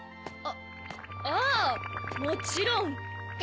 ああもちろん。って